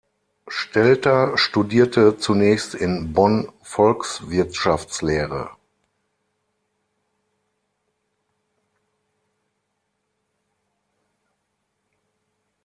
Stelter studierte zunächst in Bonn Volkswirtschaftslehre.